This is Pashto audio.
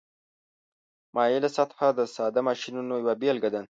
مایله سطحه د ساده ماشینونو یوه بیلګه ده.